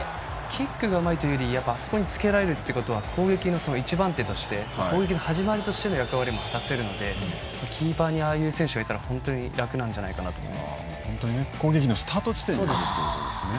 キックがうまいというよりあそこにつけられるということは攻撃の一番手として攻撃の始まりとしての役割ももたせるのでキーパーにああいう選手がいたら本当に楽なんじゃないか攻撃のスタート地点ということですね。